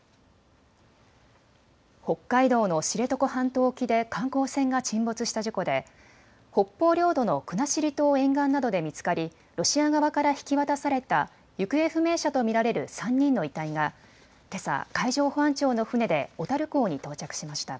北海道の知床半島沖で観光船が沈没した事故で北方領土の国後島沿岸などで見つかりロシア側から引き渡された行方不明者と見られる３人の遺体がけさ海上保安庁の船で小樽港に到着しました。